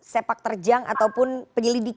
sepak terjang ataupun penyelidikan